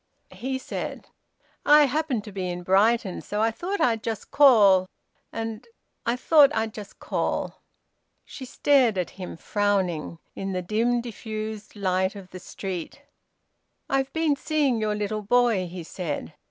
He said, "I happened to be in Brighton, so I thought I'd just call, and I thought I'd just call." She stared at him, frowning, in the dim diffused light of the street. "I've been seeing your little boy," he said.